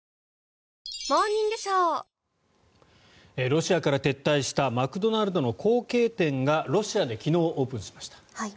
ロシアから撤退したマクドナルドの後継店がロシアで昨日オープンしました。